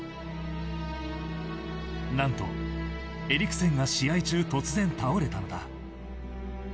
何とエリクセンが試合中突然倒れたのだ。